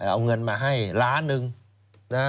เอาเงินมาให้ล้านหนึ่งนะฮะ